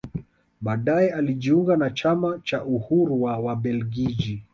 Baadae alijiunga na chama cha Uhuru wa Wabelgiji